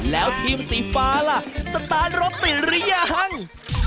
แล้วทีมสีฟ้าล่ะสตาร์ทรถติดหรือยัง